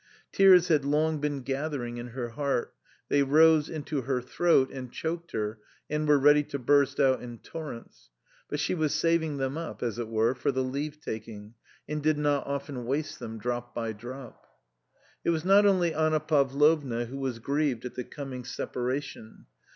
Tears had long been gathering in her heart, they rose into her throat and choked her and were ready to burst out * in torrents ; but she was saving them up as it were for the leave taking and did not often waste them drop by drop. It was not only Anna Pavlovna who was grieved at the coming separation.